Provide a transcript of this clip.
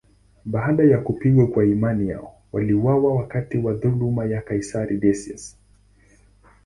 Baada ya kupigwa kwa imani yao, waliuawa wakati wa dhuluma ya kaisari Decius.